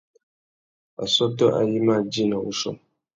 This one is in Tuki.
Assôtô ayê i mà djï nà wuchiô.